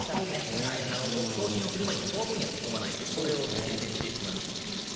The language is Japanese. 送信をする前にフォームには打ち込まないことを徹底してもらいたいと思います。